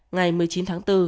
ngày một mươi chín tháng bốn